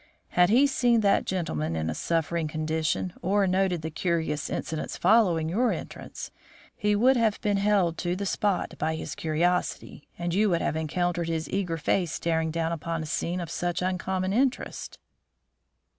Had he seen that gentleman in a suffering condition or noted the curious incidents following your entrance, he would have been held to the spot by his curiosity, and you would have encountered his eager face staring down upon a scene of such uncommon interest."